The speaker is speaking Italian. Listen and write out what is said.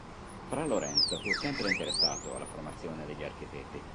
Fra Lorenzo fu sempre interessato alla formazione degli architetti.